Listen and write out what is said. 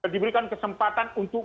diberikan kesempatan untuk